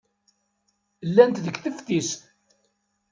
Llant deg teftist.